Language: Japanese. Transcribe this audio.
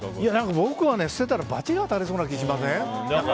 僕は捨てたら罰が当たりそうな気がしません？